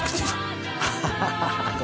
ハハハハ！